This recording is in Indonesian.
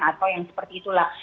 atau yang seperti itulah